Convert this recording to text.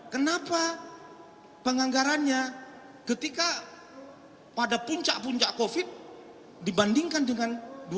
kenapa penganggarannya ketika pada puncak puncak covid dibandingkan dengan dua ribu dua puluh